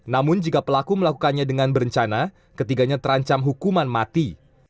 namun jika pelaku melakukannya dengan berencana ketiganya terancam hukuman mati